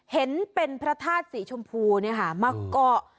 เห็นเป็นพระทาสสีชมพูมาเกาะ